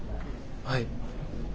はい。